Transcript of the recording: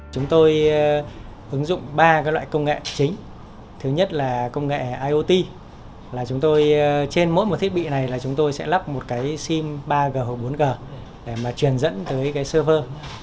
chúng tôi ứng dụng ba loại công nghệ chính thứ nhất là công nghệ iot trên mỗi một thiết bị này chúng tôi sẽ lắp một sim ba g hoặc bốn g để truyền dẫn tới server